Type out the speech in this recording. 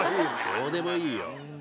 どうでもいいよ。